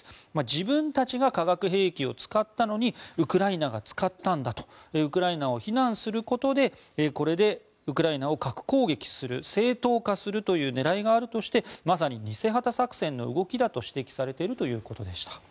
自分たちが化学兵器を使ったのにウクライナが使ったんだとウクライナを非難することでこれでウクライナを核攻撃する正当化するという狙いがあるとしてまさに偽旗作戦の動きだと指摘されているということでした。